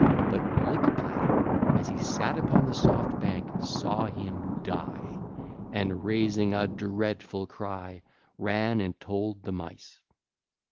But Lick platter as he sat upon the soft bank saw him die and, raising a dreadful cry, ran and told the Mice.